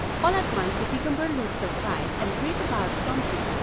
All at once the cucumber looks surprised and grieved about something.